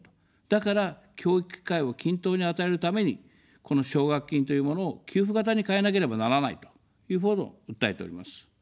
だから、教育機会を均等に与えるために、この奨学金というものを給付型に変えなければならないというものを訴えております。